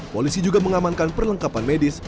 polisi juga mengamankan perlengkapan medis